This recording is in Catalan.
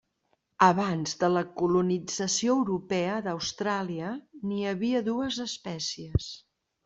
Abans de la colonització europea d'Austràlia n'hi havia dues espècies.